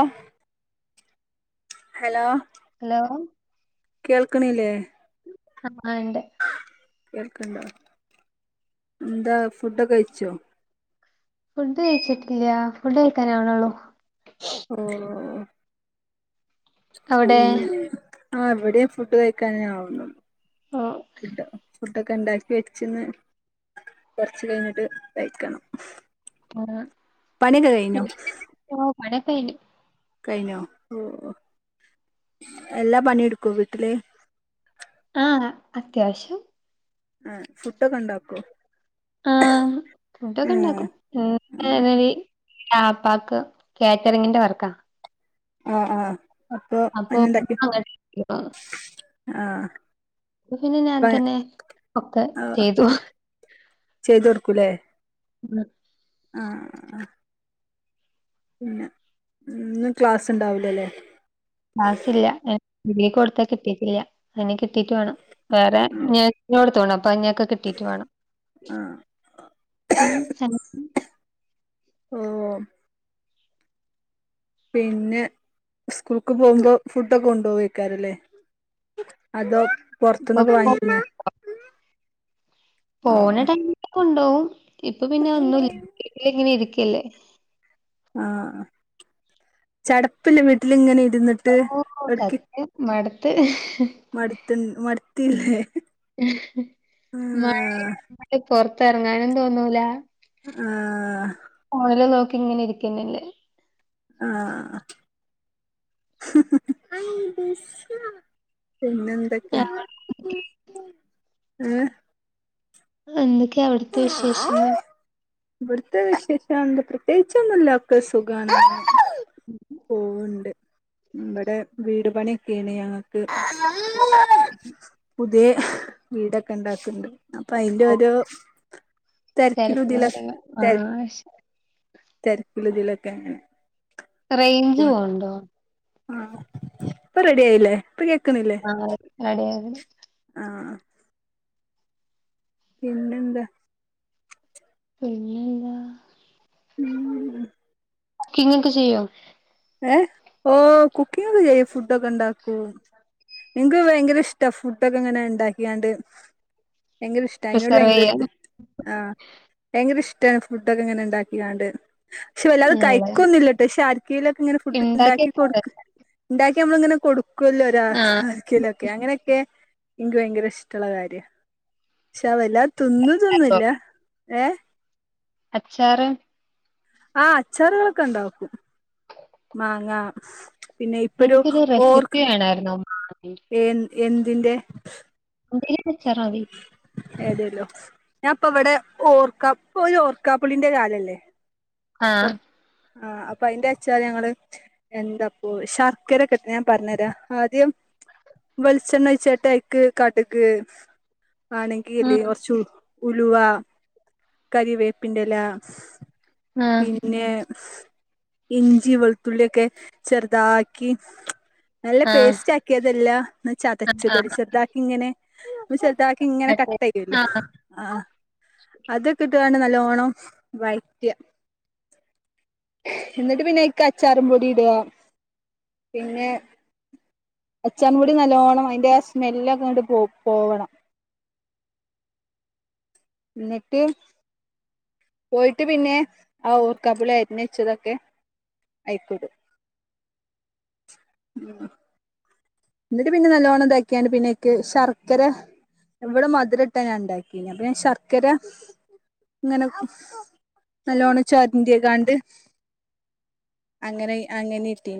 ഓഹ് hello hello കേൾക്കണില്ലേ ആഹ് ഇണ്ട് കേൾക്കിണ്ട് എന്താ ഫുഡൊക്കെ കഴിച്ചോ ഫുഡ് കഴിച്ചിട്ടില്ല ഫുഡ് കഴിക്കാനാവണൊള്ളൂ ആഹ് അവിടെ ആഹ് എവിടെയും ഫുഡ് കഴിക്കാനാവുന്നു ആഹ് ഫുഡ് ഫുഡൊക്കെ ഇണ്ടാക്കി വെച്ചിന്ന് കൊറച്ച് കഴിഞ്ഞിട്ട് കയിക്കണം ആഹ് [unintelligible] ഇങ്ങനൊക്കെ ഇരി [unintelligible] കഴിഞ്ഞോ എല്ലാ പണിയെടുക്കുവോ വീട്ടില് ആഹ് അത്യാവശ്യം ആഹ് ഫുഡൊക്കെ ഉണ്ടാക്കോ ആഹ് ആ ഫുഡൊക്കെ ഇണ്ടാക്കും [inaudible] പാപ്പാക്ക് കാറ്ററിങ്ങിന്റെ വർക്കാ ആഹ് ആഹ് അപ്പൊ എന്തുണ്ടാക്കി അങ്ങോട്ട് ചെയ്തു. ആഹ് ഇതിനു ഞാൻ തന്നെ ഒക്കെ ചെയ്തു ചെയ്തു കൊടുക്കൂല്ലേ ആഹ് ആഹ് ആഹ് ഇന്ന് ക്ലാസ്സുണ്ടാവുല്ലല്ലേ ക്ലാസില്ല ഡിഗ്രി കൊടുത്ത കിട്ടീട്ടില്ല അയിനി കിട്ടീട്ട് വേണം വേറെ ഇങ്ങനെ - [unintelligible] അപ്പൊ [unintelligible] കിട്ടീട്ട് വേണം ആ പിന്നെ ഉം പിന്നെ സ്കൂള്ക്ക് പോകുമ്പോ ഫുഡൊക്കെ കൊണ്ടുപോവായിക്കാരംയില്ലേ അതോ പൊറത്ത്ന്നൊക്കെ ഇപ്പൊ വാങ്ങിക്കുന്ന - പോണ ടൈമില് കൊണ്ടോവും ഇപ്പൊ പിന്നെ ഒന്നുല്ല വീട്ടിലിങ്ങനെ ഇരിക്കല്ലേ ആഹ് ചടപ്പില്ലേ വീട്ടിലിങ്ങനെ ഇരുന്നി- ഓ [unintelligible] മട്ത്ത് മട്ത്ത് മട്ത്തില്ലേ മഴയായൊണ്ട് പൊറത്ത് ഇറങ്ങാനും തോനൂല ആഹ് ഫോണില് നോക്കി ഇങ്ങനെ ഇരിക്കന്നല്ലേ ആഹ് ആഹ് പിന്നെ തൊക്കെ ഏഹ് എന്തൊക്കെയാ അവിടുത്തെ വിശേഷങ്ങൾ? ഇവിടുത്തെ വിശേഷം എന്ത പ്രത്യേകിച്ചൊന്നുല്ല ഒക്കെ സുഖാണ്. പോവുണ്ട്, ഇവടെ വീട് പണിയൊക്കെയാണ് ഞങ്ങക്ക് പുത്യേ വീടൊക്കെണ്ടാക്ക്‌ണ്ട് അപ്പ അയിന്റെ ഓഹ് ഒരു തെരക്കും തെരക്കിലുതിലെ കാര്യങ്ങളും. തെ ആഹ് ശ തെരക്കിലുതിലൊക്കെ അങ്ങനെ റേഞ്ച് പോണ്ടോ ആഹ് ഇപ്പൊ റെഡിയായില്ലേ ഇപ്പ കേക്കുന്നില്ലേ ആഹ് [unintelligible] ആഹ് പിന്നെന്താ പിന്നേ [unintelligible] ക്കിങ്ങൊക്കെ ചെയ്യോ? ഏഹ് ഓഹ് കുക്കിങ്ങൊക്കെ ചെയ്യും, ഫുഡൊക്കെ ഇണ്ടാക്കും. എനിക്ക് ഭയങ്കര ഇഷ്ട ഫുഡൊക്കെ ഇങ്ങനെ ഇണ്ടാക്കിയാണ്ട് ഭങ്കര ഇഷ്ടാ അയിനോട് ഭയങ്കര പ്രിസർവെയ്യാ? ഒരു ഇത് ആഹ് ഭയങ്കര ഇഷ്ടാണ് ഫുഡൊക്കെ ഇങ്ങനെ ഇണ്ടാക്കികാണ്ട് പക്ഷെ വല്ലാതെ നല്ലതാ. കയിക്കൊന്നുല്ലേട്ടോ പക്ഷെ ആർക്കേലൊക്കെ ഇങ്ങനെ ഫുഡ് ഇണ്ടാക്കി ഇണ്ടാക്കിവെക്കാൻ കൊടുക് രസാ. ഉണ്ടാക്കി നമ്മള് ഇങ്ങനെ കൊടുക്കുവല്ലോ ഒരാ ആഹ് ക്കേലൊക്കെ അങ്ങനെയൊക്കെ എനിക്ക് ഭയങ്കര ഇഷ്ടൊള്ള കാര്യാ. പക്ഷെ അത് വല്ലാത് തിന്നതൊന്നും ഇല്ല സംഭവം. ഏഹ് അച്ചാറ് ആഹ് അച്ചാറുകളൊക്കെ ഒണ്ടാക്കും, മാങ്ങ പിന്നെ ഇപ്പൊരു എനിക്കൊരു റെസിപ്പി ഓർക്ക് വേണായിരുന്നു. മാങ്ങേടെ. ഏൻ എന്തിന്റെ എന്തേലും അച്ചാറവി ഏതേല്ലോ ഞാപ്പ ഇവിടെ ഓർക്ക ഇപ്പോ ഒരു ഓർക്കാപ്പുളീന്റെ കാലല്ലേ കൊർ ആഹ് ആഹ് അപ്പൊ അയിന്റെ അച്ചാറ് ഞങ്ങള് എന്താപ്പോ ശർക്കരെക്കിട്ട് ഞാൻ പറഞ്ഞരാ ആദ്യം വെളിച്ചെണ്ണ ഒയിച്ചിട്ട് അയേക്ക് കട്ക് ആണെങ്കി ഇല്ലേ ആഹ് കൊറച്ചു ഉലുവ കരിവേപ്പിന്റെല ആഹ് പിന്നെ ഇഞ്ചി വെളുത്തുള്ളിയൊക്കെ ചെറുതാക്കി നല്ല പേസ്റ്റാക്കിയതല്ല ഒന്ന് ചതച്ചത് ആഹ് ചെറ്താക്കി ഇങ്ങനെ അപ്പൊ ചെലുതാക്കി ഇങ്ങനെ കട്ടെയ്യല്ലോ ആഹ് ആഹ് അതൊക്കെ ഇട്ടുകാണ്ട് നല്ലോണം വഴറ്റ ന്നിട്ട് പിന്നെ അയ്ക്ക് അച്ചാറും പൊടി ഇടുക, പിന്നെ അച്ചാറുംപൊടി നല്ലോണം അതിന്റെ ആ സ്മെല്ലൊക്കെങ്ങട്ട് പോ പോകണം. എന്നിട്ട് പോയിട്ട് പിന്നെ ആ ഓർക്കപുളി അരിഞ്ഞു വെച്ചതൊക്കെ അയേക്കിടും. ന്നിട്ട് പിന്നെ നല്ലോണം ഇതാക്കിയണ്ട് പിന്നെ ഇയേക്ക് ശർക്കര ഇവിടെ മധുര ഇട്ട ഞാ ണ്ടാക്കിയെന് അപ്പ ഞാ ശർക്കര ങ്ങനെ നല്ലോണം ചൊരണ്ടിക്കാണ്ട് അങ്ങനെ അങ്ങനെ ഇട്ടീന്.